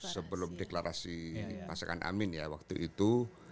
sebelum deklarasi pasangan amin ya waktu itu